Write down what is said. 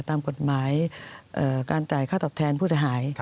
ตามกฎหมายการจ่ายค่าตอบแทนผู้เสียหาย